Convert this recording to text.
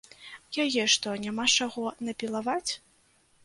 Яе што, няма з чаго напілаваць?